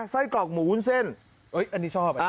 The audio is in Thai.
ไส้กรอกหมูวุ้นเส้นอันนี้ชอบ